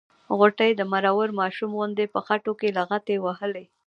غوټۍ د مرور ماشوم غوندې په خټو کې لغتې وهلې.